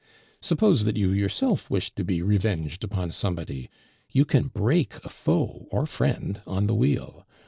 Suppose that you yourself wish to be revenged upon somebody, you can break a foe or friend on the wheel.